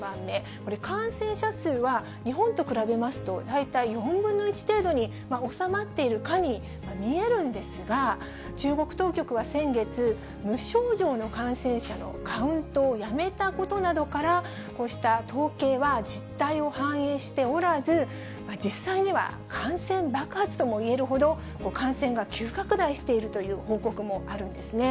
これ、感染者数は日本と比べますと大体４分の１程度に収まっているかに見えるんですが、中国当局は先月、無症状の感染者のカウントをやめたことなどから、こうした統計は実態を反映しておらず、実際には感染爆発ともいえるほど、感染が急拡大しているという報告もあるんですね。